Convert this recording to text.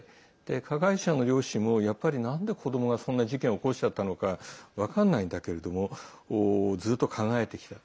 加害者の両親もやっぱり、なんで子どもがそんな事件を起こしちゃったのか分からないんだけれどもずっと考えてきた。